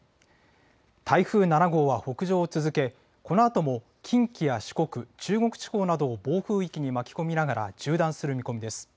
台風７号は北上を続け、このあとも近畿や四国、中国地方などを暴風域に巻き込みながら縦断する見込みです。